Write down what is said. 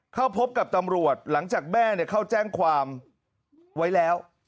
เข้าพบกับตำรวจหลังจากแม่เข้าแจ้งความไว้แล้ว